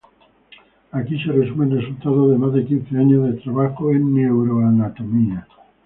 Aquí se resumen resultados de más de quince años de trabajo en neuroanatomía.